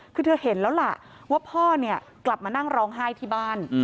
คือเธอเห็นแล้วล่ะว่าพ่อเนี่ยกลับมานั่งร้องไห้ที่บ้าน